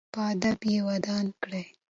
په ادب یې ودان کړئ.